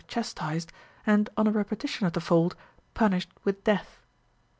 chastised, and on a repetition of the fault, punished with death.